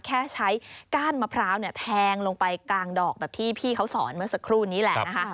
แค่ใช้ก้านมะพร้าวแทงลงไปกลางดอกแบบที่พี่เขาสอนเมื่อสักครู่นี้แหละนะคะ